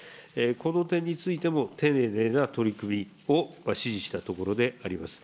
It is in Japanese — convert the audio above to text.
この点についても、丁寧な取り組みを指示したところであります。